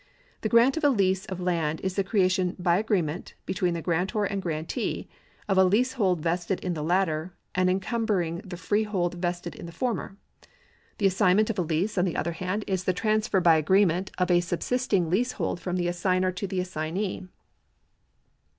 The grant of a lease of ■land is the creation by agreement, between grantor and grantee, of a leasehold vested in the latter and encum bering the freehold vested in the former. The assignment of a lease, on the other hand, is the transfer by agree ment of a subsisting leasehold from the assignor to the assignee.